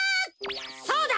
そうだ！